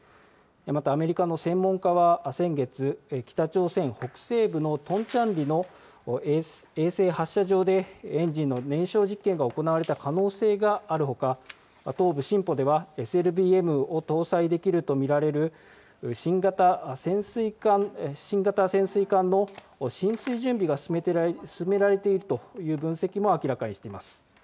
また、アメリカの専門家は先月、北朝鮮北西部のトンチャンリの衛星発射場でエンジンの燃焼実験が行われた可能性があるほか、東部シンポでは、ＳＬＢＭを搭載できると見られる新型潜水艦の進水準備が進められているという分析も明らかにしています。